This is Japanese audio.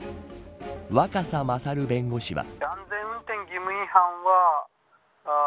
若狭勝弁護士は。